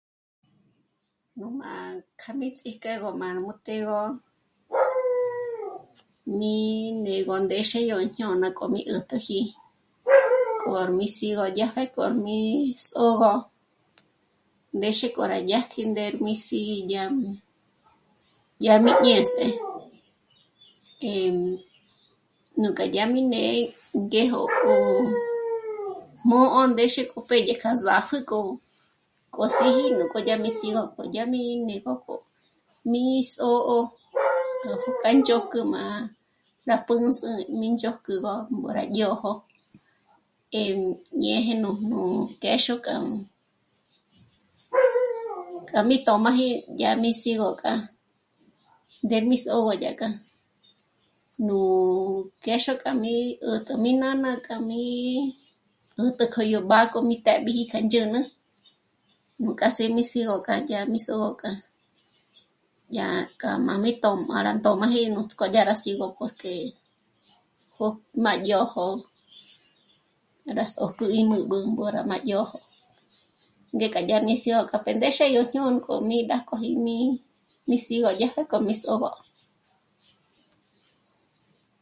Nú má... kja mí ts'íjk'e gó má 'nú té'egö ñí'i né'egö ndéxi yó jñôna k'o mí 'ä̀t'äji k'o mí sí'igö dyá pjérk'o mí sô'ogö ndéxe k'o rá jñákji ndé mí sí'i yá..., yá mí ñěs'e. Eh, núk'a dyá mí né'e ngéjo 'ó jmǒ'o ndéxe k'o pédye k'a sǎpjü k'o, k'o síji nú kué'e dyá gó mí sí'igö k'o dyá mí né'egö k'o, mí sô'o gá jók'ü k'a í ndzhöjk'ü má... rá pǚndzü mí ndzhôjk'ügö ngó rá dyǒjo. Eh, ñéje nújnù k'éxo k'a mí..., k'a mí tö̌m'aji dyá mí sí'igö k'a, ndé mí sô'o dyá k'a, nú k'éxo k'a mí 'ä̀t'ä mí nána k'a mí 'ä̀t'ä k'o yó b'á'a k'o mí téb'iji k'a ndzhä̌nä nú k'a sé'e mí sí'igö k'a dyá mí sô'o k'a, dyá k'a má mí tö̌mba rá ndómaji nuts'k'ó dyá rá sí'igö porque jó... má dyójo, rá sôk'ü í mǘb'ü ngó rá dyójo, ngék'a dyá mí sí'i'gö k'a péndezhe yó jñō̂k'o mí rájk'oji mí, mí sí'i'gö dyá pjék'o mí sô'ogö